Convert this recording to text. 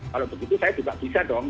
kalau begitu saya juga bisa dong